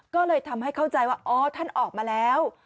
ก็เลยทำให้เข้าใจว่าอ๋อท่านออกมาแล้ว